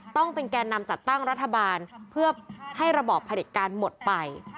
ต้องเป็นแก่นำจัดตั้งรัฐบาลเพื่อให้ระบอบผลิตการหมดไป